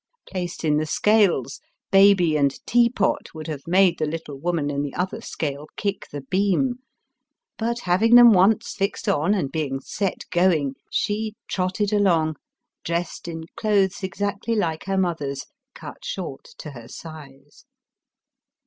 Placed in the scales, baby and teapot would have made the little woman in the other scale kick the beam ; but having them once fixed on, and being set going, she trotted along, dressed in clothes exactly like her mother's, cut short to her size.